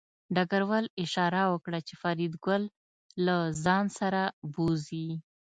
ډګروال اشاره وکړه چې فریدګل له ځان سره بوځي